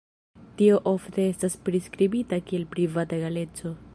Tio ofte estas priskribita kiel privata egaleco.